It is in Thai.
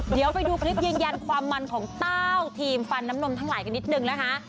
เดี๋ยวไปดูคลิปยืนยันความมันของเต้าทีมฟันน้ำนมทั้งหลายกันนิดนึงนะคะ